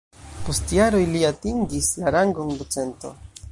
Post jaroj li atingis la rangon docento.